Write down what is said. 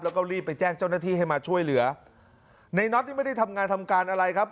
แล้วก็รีบไปแจ้งเจ้าหน้าที่ให้มาช่วยเหลือในน็อตนี่ไม่ได้ทำงานทำการอะไรครับ